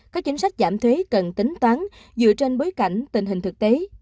các chính sách giảm thuế cần tính toán dựa trên bối cảnh tình hình thực tế